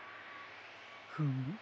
フム？